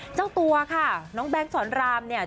เจ้าตัวค่ะน้องแบงค์สอนรามเนี่ย